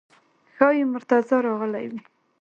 ښایي مرتضی راغلی وي.